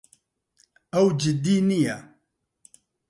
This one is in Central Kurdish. ئەو جددی نییە.